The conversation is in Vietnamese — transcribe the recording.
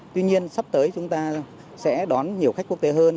tuy nhiên sắp tới chúng ta sẽ đón nhiều khách quốc tế hơn